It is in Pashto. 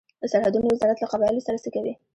د سرحدونو وزارت له قبایلو سره څه کوي؟